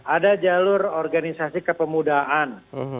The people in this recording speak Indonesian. ada jalur organisasi kepemudaan